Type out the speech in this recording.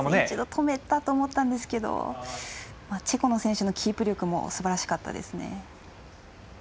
一度止めたと思ったんですけどチェコの選手のキープの力もすばらしかったです。